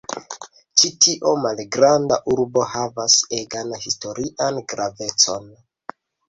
Ĉi tio malgranda urbo havas egan historian gravecon.